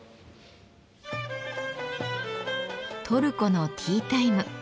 トルコのティータイム。